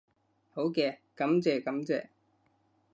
好嘅，感謝感謝